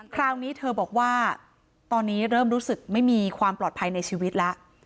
คราวนี้เธอบอกว่าตอนนี้เริ่มรู้สึกไม่มีความปลอดภัยในชีวิตแล้ว